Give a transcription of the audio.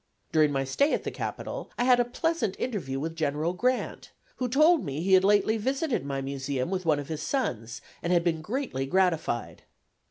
During my stay at the capital I had a pleasant interview with General Grant, who told me he had lately visited my Museum with one of his sons, and had been greatly gratified.